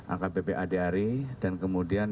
angka bpa dayari dan kemudian